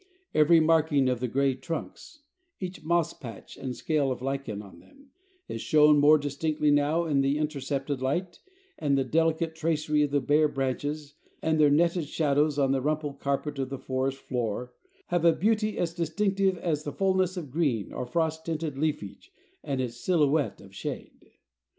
Every marking of the gray trunks, each moss patch and scale of lichen on them, is shown more distinctly now in the intercepted light, and the delicate tracery of the bare branches and their netted shadows on the rumpled carpet of the forest floor, have a beauty as distinctive as the fullness of green or frost tinted leafage and its silhouette of shade.